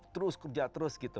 terus kerja terus gitu